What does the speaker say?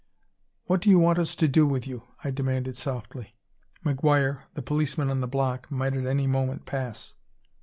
"What do you want us to do with you?" I demanded softly. McGuire, the policeman on the block, might at any moment pass.